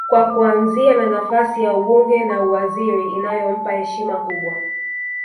kwa kuanzia na nafasi ya ubunge na uwaziri inayompa heshima kubwa